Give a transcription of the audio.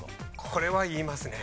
これは言いますね。